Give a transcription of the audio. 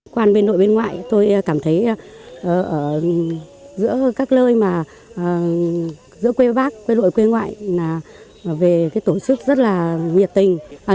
quan bên nội bên ngoại tôi cảm thấy giữa các lơi mà giữa quê bác với đội quê ngoại là về cái tổ chức rất là nhiệt tình